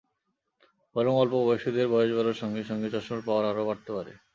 বরং অল্প বয়সীদের বয়স বাড়ার সঙ্গে সঙ্গে চশমার পাওয়ার আরও বাড়তে পারে।